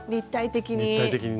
立体的に。